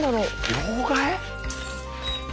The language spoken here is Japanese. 両替？